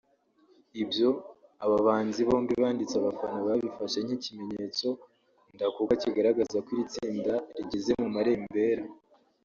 Ibyo aba bahanzi bombi banditse abafana babifashe nk’ikimenyetso ndakuka kigaragaza ko iri tsinda rigeze mu marembera